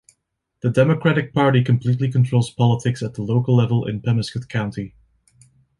The Democratic Party completely controls politics at the local level in Pemiscot County.